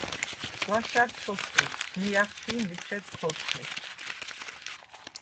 ღვაშა̈რ ჩოცურ, მი ა̈ხვბინ ლიჴედ ქორთე.